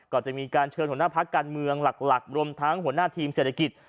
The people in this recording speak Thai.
ก็จะมีการเชิญหัวหน้าพักการเมืองหลักรวมทั้งหัวหน้าทีมเศรษฐกิจ